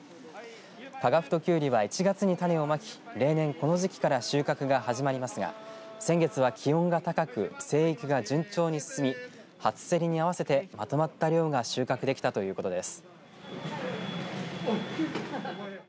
加賀太きゅうりは１月に種をまき例年この時期から収穫が始まりますが先月は気温が高く生育が順調に進み初競りに合わせてまとまった量が収穫できたということです。